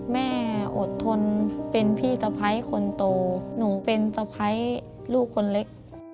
แม่อดทนเป็นพี่สะพ้ายคนโตหนูเป็นสะพ้ายลูกคนเล็ก